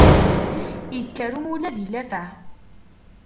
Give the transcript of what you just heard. Ikker umulab i llafaɛ.